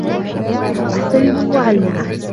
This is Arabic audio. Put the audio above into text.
أَحْتَرِمُ الْمُعَلِّمَ.